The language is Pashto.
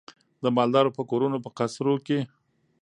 د مالدارو په کورونو په قصرو کي